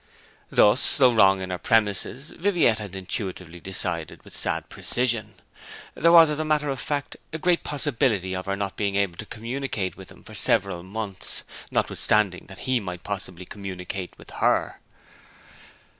Thus, though wrong in her premisses, Viviette had intuitively decided with sad precision. There was, as a matter of fact, a great possibility of her not being able to communicate with him for several months, notwithstanding that he might possibly communicate with her.